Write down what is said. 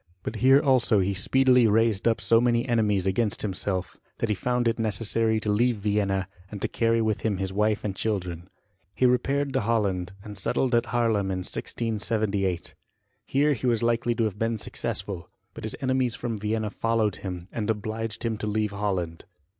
But here also he speedily raised up so many enemies against himself, that he found it necessary to leave Vienna, and to carry with him his wife and children. He repaired to Holland, and settled at Haerlem in 1678. Here he was likely to have been successful ; but his enemies from Vienna followed him, and obliged him to leave Holland.